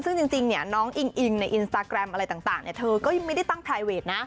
ซึ่งจริงเนี่ยน้องอิงอิงในอินสตาแกรมอะไรต่างเธอก็ยังไม่ได้ตั้งไพรเวทนะ